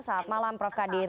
selamat malam prof qadir